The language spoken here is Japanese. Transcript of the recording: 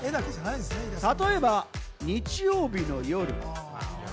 例えば、日曜日の夜。